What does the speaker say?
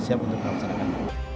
siap untuk memperkenalkan